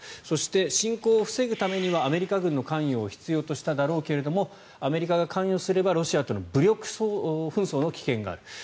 そして侵攻を防ぐためにはアメリカ軍の関与を必要としただろうけどアメリカが関与すればロシアとの武力紛争の危険がある。